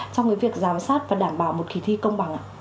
trong cái việc giám sát và đảm bảo một kỳ thi công bằng ạ